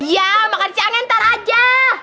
ya makanya jangan ntar aja